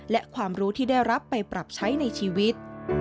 และความรู้ที่ได้รับไปปรับใช้ในชีวิต